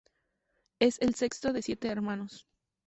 Es el sexto de siete hermanos.